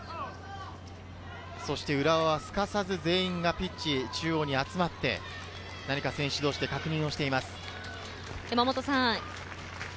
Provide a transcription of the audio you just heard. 浦和はすかさず全員がピッチ中央に集まって、選手同士で確認しています。